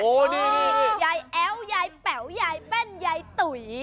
โอ้โหนี่ยายแอ้วยายแป๋วยายแป้นยายตุ๋ย